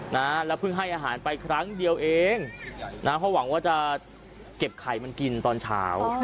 นะแล้วเพิ่งให้อาหารไปครั้งเดียวเองนะเพราะหวังว่าจะเก็บไข่มันกินตอนเช้า